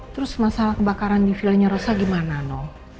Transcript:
terus masalah kebakaran di villanya rosa gimana no